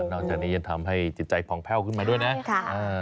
จากนี้ยังทำให้จิตใจผ่องแพ่วขึ้นมาด้วยนะ